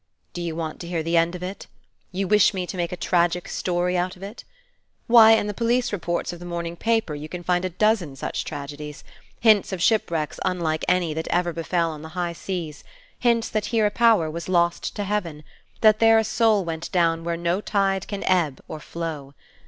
Do you want to hear the end of it? You wish me to make a tragic story out of it? Why, in the police reports of the morning paper you can find a dozen such tragedies: hints of shipwrecks unlike any that ever befell on the high seas; hints that here a power was lost to heaven, that there a soul went down where no tide can ebb or flow.